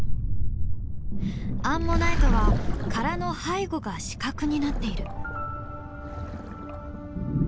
アンモナイトは殻の背後が死角になっている。